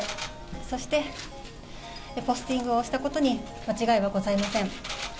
そして、ポスティングをしたことに間違いはございません。